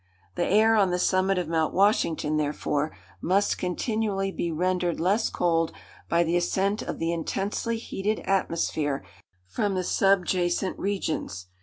The air on the summit of Mount Washington, therefore, must continually be rendered less cold by the ascent of the intensely heated atmosphere from the subjacent regions.